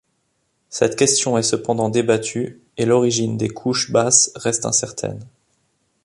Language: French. Cette question est cependant débattue, et l'origine des couches basses reste incertaine.